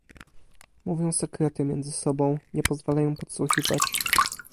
"Mówią sekrety między sobą, nie pozwalają podsłuchiwać."